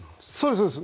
そうです。